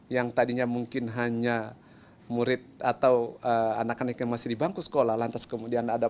yang tadinya mungkin hanya murid atau anak anak yang masih di bangku sekolah lantas kemudian ada